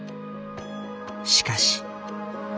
しかし。